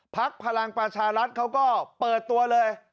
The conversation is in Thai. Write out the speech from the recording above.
พลักษณ์พลังประชารัฐเขาก็เปิดตัวเลย